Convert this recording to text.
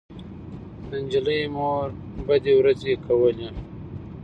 د نجلۍ مور بدې ورځې کولې